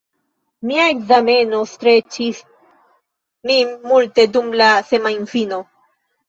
Mia ekzameno streĉis min multe dum la semajnfino.